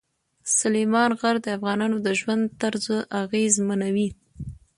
سلیمان غر د افغانانو د ژوند طرز اغېزمنوي.